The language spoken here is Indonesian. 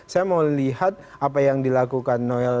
saya mau lihat apa yang dilakukan noel